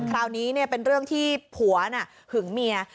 คราวนี้เป็นเรื่องที่ผัวน่ะหึงเมีย